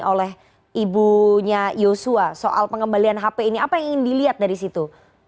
oleh ibunya yosua soal pengembalian hp ini apa yang ingin dilihat dari situ